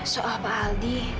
soal pak aldi